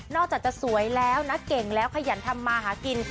อกจากจะสวยแล้วนะเก่งแล้วขยันทำมาหากิน